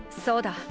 そうだ。